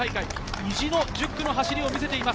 意地の１０区の走りを見せています。